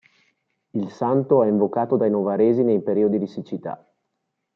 Il Santo è invocato dai novaresi nei periodi di siccità.